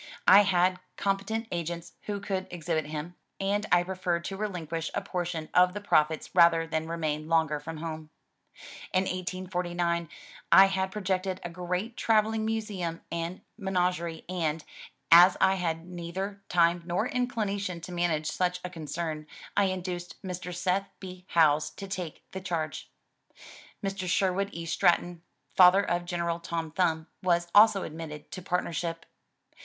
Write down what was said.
I had com petent agents who could exhibit him, and I preferred to relinquish a portion of the profits rather than remain longer from home. In 1849 I had projected a great traveling museum and men agerie, and, as I had neither time nor inclination to manage such a concern, I induced Mr. Seth B. Howes to take the charge. Mr. Sherwood E. Stratton, father of General Tom Thumb, was also admitted to partnership.